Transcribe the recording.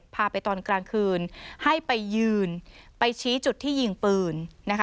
พาไปตอนกลางคืนให้ไปยืนไปชี้จุดที่ยิงปืนนะคะ